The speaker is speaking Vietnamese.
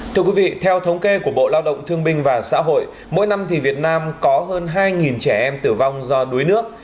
thưa quý vị theo thống kê của bộ lao động thương binh và xã hội mỗi năm việt nam có hơn hai trẻ em tử vong do đuối nước